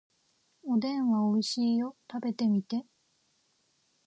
おでんはおいしいよ。食べてみて。